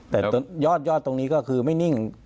แต่ยอดตรงนี้ก็คือไม่นิ่ง